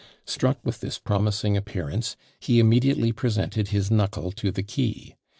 Struck with this promising appearance, he immediately presented his knuckle to the key!